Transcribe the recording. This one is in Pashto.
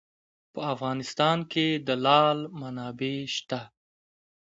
په افغانستان کې د لعل منابع شته.